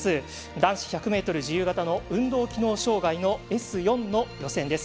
男子１００ｍ自由形の運動機能障がいのＳ４の予選です。